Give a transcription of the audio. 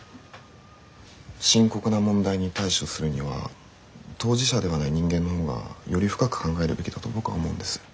深刻な問題に対処するには当事者ではない人間の方がより深く考えるべきだと僕は思うんです。